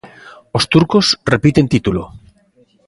Os turcos repiten título.